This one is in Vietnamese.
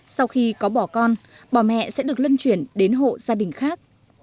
sau khi có bò con bò mẹ sẽ được lân chuyển đến hộ gia đình khác